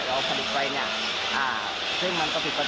แล้วตอนนี้ผมจะกดถามพวกมัน